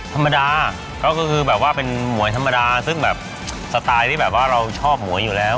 ธรรมดาก็คือแบบว่าเป็นหมวยธรรมดาซึ่งแบบสไตล์ที่แบบว่าเราชอบหวยอยู่แล้ว